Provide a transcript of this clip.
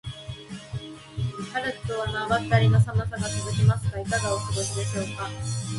春とは名ばかりの寒さが続きますが、いかがお過ごしでしょうか。